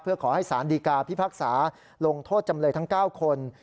เพื่อขอให้สารดีกาพิพากษาลงโทษจำเลยทั้ง๙คน